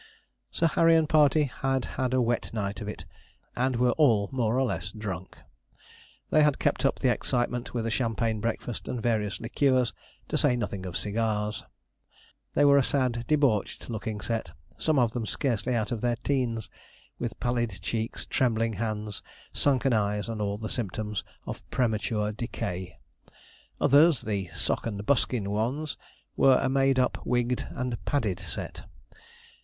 Sir Harry and party had had a wet night of it, and were all more or less drunk. They had kept up the excitement with a champagne breakfast and various liqueurs, to say nothing of cigars. They were a sad debauched looking set, some of them scarcely out of their teens, with pallid cheeks, trembling hands, sunken eyes, and all the symptoms of premature decay. Others the sock and buskin ones were a made up, wigged, and padded set.